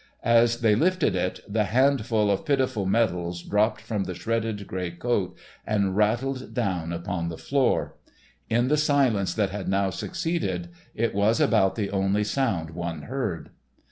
As they lifted it, the handful of pitiful medals dropped from the shredded grey coat and rattled down upon the floor. In the silence that had now succeeded, it was about the only sound one heard.